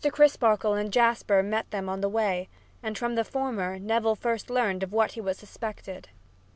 Crisparkle and Jasper met them on the way, and from the former Neville first learned of what he was suspected.